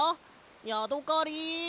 ヤドカリ！